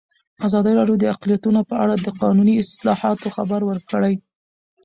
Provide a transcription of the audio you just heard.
ازادي راډیو د اقلیتونه په اړه د قانوني اصلاحاتو خبر ورکړی.